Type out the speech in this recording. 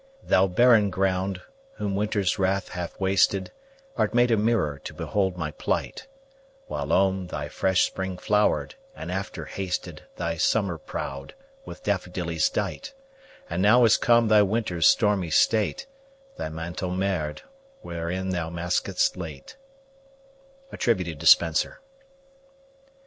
Thou barraine ground, whom winter's wrath hath wasted, Art made a mirror to behold my plight: Whilome thy fresh spring flower'd: and after hasted Thy summer prowde, with daffodillies dight; And now is come thy winter's stormy state, Thy mantle mar'd wherein thou maskedst late. SPENSER.